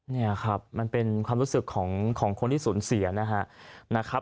เนี้ยครับมันเป็นความรู้สึกของของคนที่สนเสียนะฮะนะครับ